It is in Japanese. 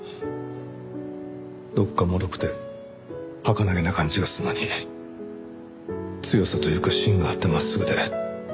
どこかもろくてはかなげな感じがするのに強さというか芯があって真っすぐで。